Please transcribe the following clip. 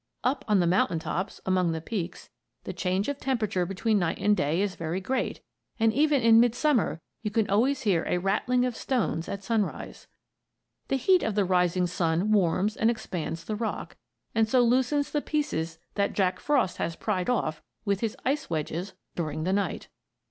Up on the mountain tops, among the peaks, the change of temperature between night and day is very great, and even in midsummer you can always hear a rattling of stones at sunrise. The heat of the rising sun warms and expands the rock, and so loosens the pieces that Jack Frost has pried off with his ice wedges during the night.